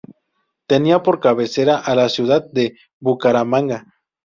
Tenía por cabecera a la ciudad de Bucaramanga.